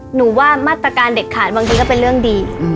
หนูว่ามาตรการเด็ดขาดบางทีก็เป็นเรื่องดี